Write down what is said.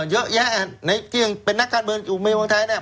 เยอะแยะไหนที่เป็นนักการเบื้องอยู่เมียบางท้ายเนี้ย